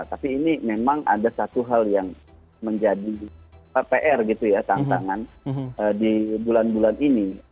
tapi ini memang ada satu hal yang menjadi pr gitu ya tantangan di bulan bulan ini